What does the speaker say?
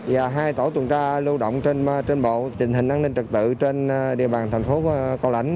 và hai tổ tuần tra lưu động trên bộ tình hình an ninh trật tự trên địa bàn thành phố cao lãnh